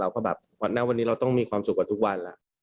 เราก็แบบณวันนี้เราต้องมีความสุขกว่าทุกวันละ